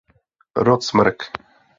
Rod smrk.